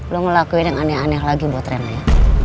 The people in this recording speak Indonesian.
lu ngelakuin yang aneh aneh lagi buat rena ya